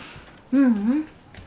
ううん。